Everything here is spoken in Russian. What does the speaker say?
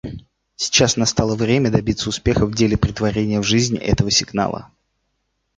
Сейчас настало время добиться успехов в деле претворения в жизнь этого сигнала.